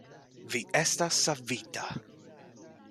Vi estas savita!